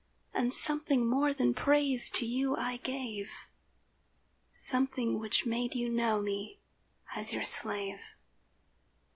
And something more than praise to you I gave— Something which made you know me as your slave.